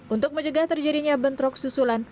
untuk mencegah terjadinya bentrok susulan